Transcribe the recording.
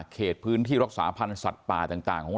เหมือนกับทุกครั้งกลับบ้านมาอย่างปลอดภัย